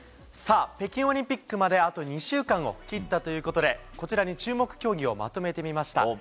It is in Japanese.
北京オリンピックまであと２週間を切ったということでこちらに注目競技をまとめてみました。